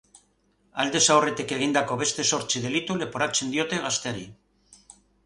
Aldez aurretik egindako beste zortzi delitu leporatzen diote gazteari.